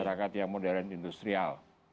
jadi masyarakat yang modern industrial